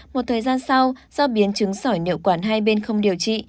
một thời gian sau do biến chứng sỏi nhự quản hai bên không điều trị